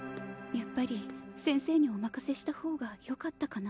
やっぱり先生にお任せした方がよかったかな。